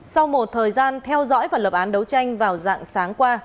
sau một thời gian theo dõi và lập án đấu tranh vào dạng sáng qua